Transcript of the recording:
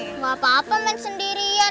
nggak apa apa main sendirian